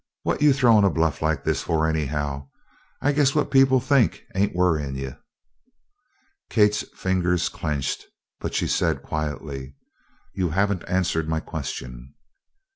"What you throwing a bluff like this for, anyhow? I guess what people think ain't worryin' you." Kate's fingers clenched, but she said quietly: "You haven't answered my question."